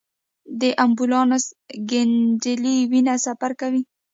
د ایمبولوس ګڼېدلې وینه سفر کوي.